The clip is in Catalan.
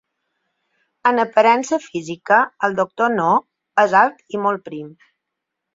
En aparença física, el doctor No és alt i molt prim.